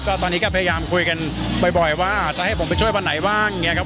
ตอนนี้ก็พยายามคุยกันบ่อยว่าจะให้ผมไปช่วยวันไหนบ้างอย่างนี้ครับ